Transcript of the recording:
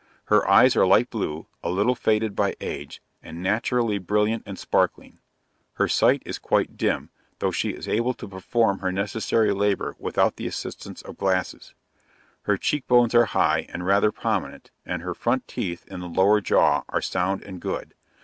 Her eyes are light blue, a little faded by age, and naturally brilliant and sparkling. Her sight is quite dim, though she is able to perform her necessary labor without the assistance of glasses. Her cheek bones are high, and rather prominent, and her front teeth, in the lower jaw, are sound and good.